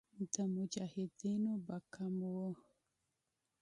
د مجاهدینو به کم وو.